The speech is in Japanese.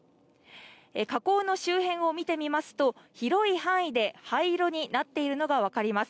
火口の周辺を見てみますと、広い範囲で灰色になっているのが分かります。